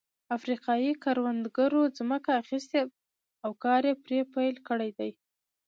افریقايي کروندګرو ځمکه اخیستې او کار یې پرې پیل کړی دی.